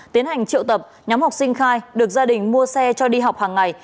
tiến hành triệu tập nhóm học sinh khai được gia đình mua xe cho đi học hàng ngày